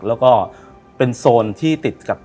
แล้วก็เป็นโซนที่ติดกับ